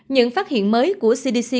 những phát hiện mới của cdc của mỹ